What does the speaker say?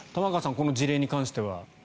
この事例に関しては。